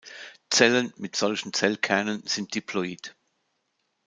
Zellen mit solchen Zellkernen sind diploid.